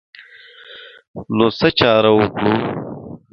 نو څه چاره وکړو.